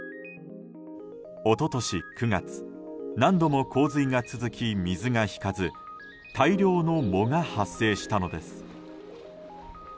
一昨年９月、何度も洪水が続き水が引かず大量の藻が発生したのです。